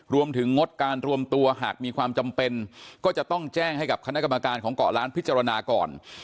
งดการรวมตัวหากมีความจำเป็นก็จะต้องแจ้งให้กับคณะกรรมการของเกาะล้านพิจารณาก่อน